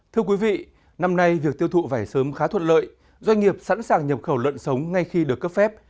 thưa quý vị năm nay việc tiêu thụ vải sớm khá thuận lợi doanh nghiệp sẵn sàng nhập khẩu lợn sống ngay khi được cấp phép